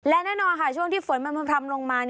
และแน่นอนค่ะช่วงที่ฝนมันพร่ำลงมา